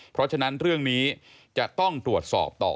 เพราะฉะนั้นเรื่องนี้จะต้องตรวจสอบต่อ